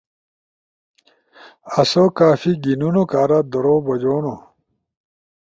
آسو کافی گھیِنونو کارا درو بجونو